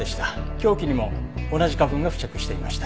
凶器にも同じ花粉が付着していました。